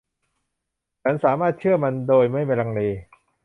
ฉันสามารถเชื่อมันโดยไม่ลังเล